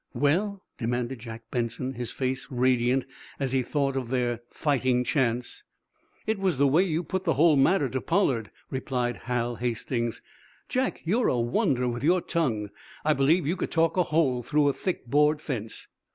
"Well!" demanded Jack Benson, his face radiant, as he thought of their "fighting chance." "It was the way you put the whole matter to Pollard," replied Hal Hastings. "Jack, you're a wonder with your tongue. I believe you could talk a hole through a thick board fence."